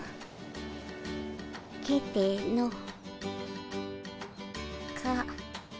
けての。か。